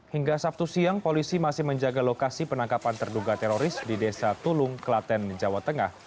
hingga sabtu siang polisi masih menjaga lokasi penangkapan terduga teroris di desa tulung klaten jawa tengah